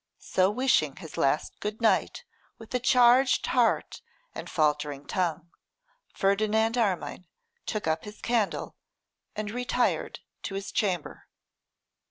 So wishing his last good night with a charged heart and faltering tongue, Ferdinand Armine took up his candle and retired to his chamber.